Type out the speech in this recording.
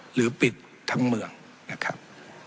หรือปิดทั้งเมืองนะครับ